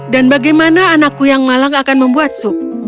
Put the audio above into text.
dan bagaimana anakku yang malang akan membuat sup